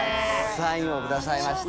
サインをくださいまして。